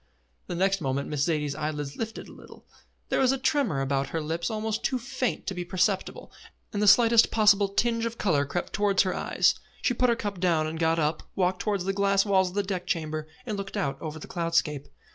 The next moment Miss Zaidie's eyelids lifted a little. There was a tremor about her lips almost too faint to be perceptible, and the slightest possible tinge of colour crept upwards towards her eyes. She put her cup down and got up, walked towards the glass walls of the deck chamber, and looked out over the cloud scape.